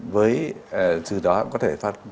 với từ đó cũng có thể phát